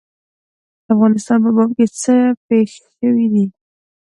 د افغانستان په باب څه پېښ شوي دي.